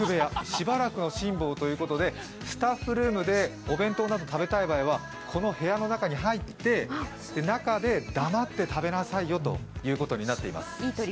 しばらくの辛抱ということで、スタッフルームなどでお弁当など食べたい場合はこの部屋の中に入って、中で黙って食べなさいよということになっています。